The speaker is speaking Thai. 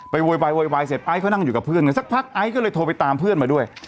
โวยวายโวยวายเสร็จไอซ์เขานั่งอยู่กับเพื่อนกันสักพักไอซ์ก็เลยโทรไปตามเพื่อนมาด้วย